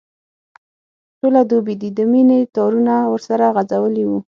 ټوله دوبي دي د مینې تارونه ورسره غځولي وو.